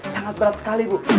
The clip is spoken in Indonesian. sangat berat sekali bu